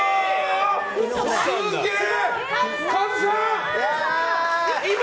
すげえ！